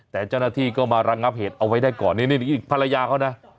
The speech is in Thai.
แต่เจ้าหน้าที่ก็มาระงับเหตุเอาไว้ได้ก่อนนี่ภรรยาเขานะ